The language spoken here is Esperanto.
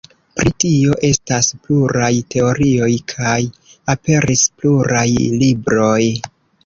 Pri tio estas pluraj teorioj kaj aperis pluraj libroj.